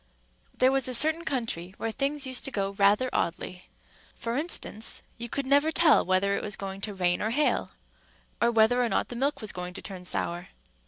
There was a certain country where things used to go rather oddly. For instance, you could never tell whether it was going to rain or hail, or whether or not the milk was going to turn sour.